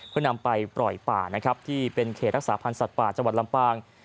เพื่อนำไปปล่อยป่านะครับที่เป็นเขตรักษาพันธ์สัตว์ป่าจังหวัดลำปาง